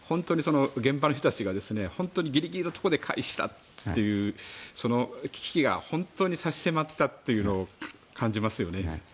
現場の人たちがギリギリのところで回避したという危機が本当に差し迫ったということを感じますよね。